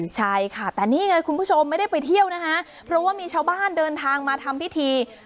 ใช่ค่ะแต่นี่ไงคุณผู้ชมไม่ได้ไปเที่ยวนะคะเพราะว่ามีชาวบ้านเดินทางมาทำพิธี